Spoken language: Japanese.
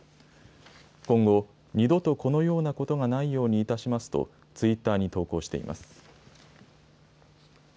今後、二度とこのようなことがないようにいたしますと、ツイッターに投稿しています。